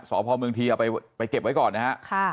สพเมืองทีเอาไปเก็บไว้ก่อนนะฮะ